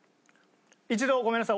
一度ごめんなさい